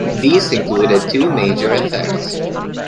These include two major effects.